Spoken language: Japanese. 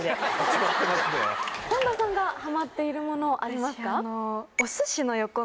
本田さんがハマっているものありますか？